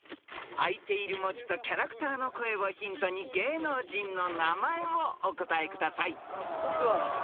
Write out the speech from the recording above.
［あいている文字とキャラクターの声をヒントに芸能人の名前をお答えください］